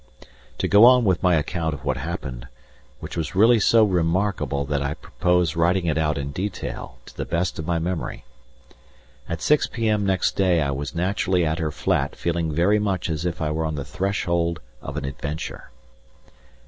To go on with my account of what happened which was really so remarkable that I propose writing it out in detail to the best of my memory at 6 p.m. next day I was naturally at her flat feeling very much as if I was on the threshold of an adventure.